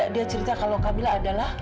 dia cerita kalau kamila adalah